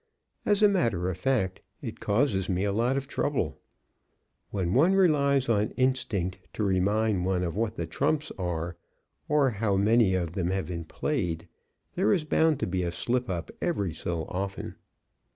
As a matter of fact, it causes me a lot of trouble. When one relies on instinct to remind one of what the trumps are, or how many of them have been played, there is bound to be a slip up every so often.